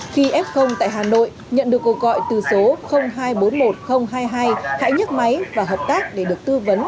khi f tại hà nội nhận được cuộc gọi từ số hai trăm bốn mươi một nghìn hai mươi hai hãy nhức máy và hợp tác để được tư vấn